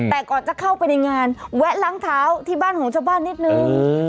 แต่ก่อนจะเข้าไปในงานแวะล้างเท้าที่บ้านของชาวบ้านนิดนึง